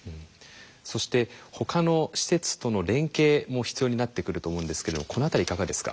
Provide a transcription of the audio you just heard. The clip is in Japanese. そしてほかの施設との連携も必要になってくると思うんですけどこの辺りいかがですか？